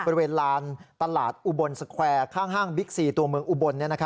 บริเวณลานตลาดอุบลสแควร์ข้างห้างบิ๊กซีตัวเมืองอุบล